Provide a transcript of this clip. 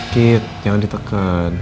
kit jangan diteket